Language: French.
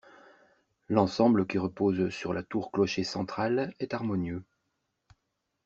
L’ensemble, qui repose sur la tour-clocher centrale, est harmonieux.